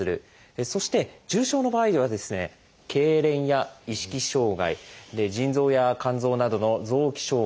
そして重症の場合では「けいれん」や「意識障害」腎臓や肝臓などの「臓器障害」